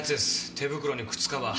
手袋に靴カバー。